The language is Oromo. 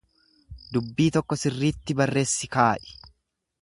Dubbii tokko sirriitti barreessi kaa'i.